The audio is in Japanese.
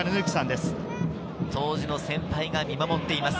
当時の先輩が見守っています。